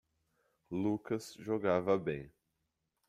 Lucas jogava bem.